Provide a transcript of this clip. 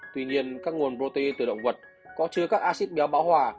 tuy nhiên các nguồn protein từ động vật có chứa các acid béo bão hòa